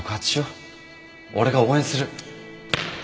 俺が応援する。